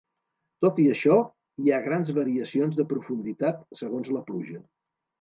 Tot i això, hi ha grans variacions de profunditat segons la pluja.